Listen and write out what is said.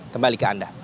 kembali ke anda